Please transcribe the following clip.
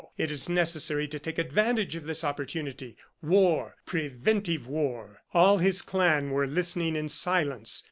It is necessary to take advantage of this opportunity. ... War. Preventive war!" All his clan were listening in silence.